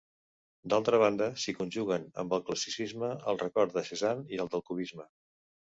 D'altra banda, s'hi conjuguen amb el classicisme el record de Cézanne i el del cubisme.